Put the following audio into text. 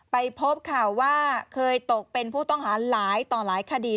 ไปพบข่าวว่าเคยตกเป็นผู้ต้องหาหลายต่อหลายคดี